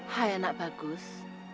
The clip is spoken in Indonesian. hai anak bagus